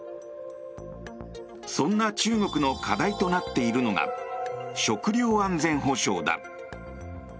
そんな中国の課題となっているのが食料安全保障だ。